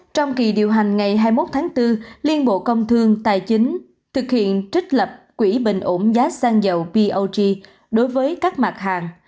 trong kỳ điều hành ngày hai mươi một tháng bốn liên bộ công thương tài chính thực hiện trích lập quỹ bình ổn giá xăng dầu pog đối với các mặt hàng